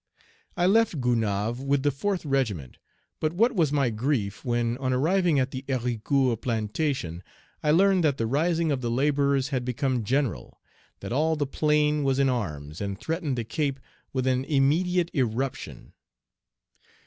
I left Gonaïves with the fourth regiment; but what was my grief when, on arriving at the Héricourt plantation, I learned that the rising of the laborers had become general, that all the plain was in arms, and threatened the Cape with an immediate irruption.